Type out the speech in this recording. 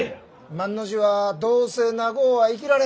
万の字はどうせ長うは生きられん。